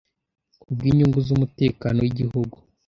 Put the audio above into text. ku bw'inyungu z'umutekano w'igihugu.